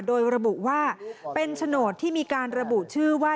โดยระบุว่าเป็นโฉนดที่มีการระบุชื่อว่า